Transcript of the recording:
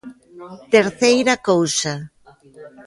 Terceira cousa.